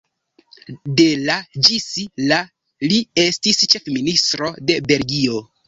De la ĝis la li estis ĉefministro de Belgio.